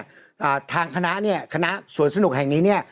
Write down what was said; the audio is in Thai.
อ่าทางคณะเนี้ยคณะสวนสนุกแห่งนี้เนี้ย